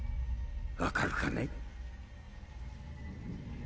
分かるかね？